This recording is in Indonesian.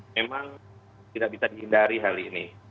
memang tidak bisa dihindari hal ini